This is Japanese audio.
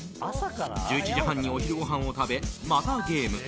１１時半にお昼ご飯を食べまたゲーム。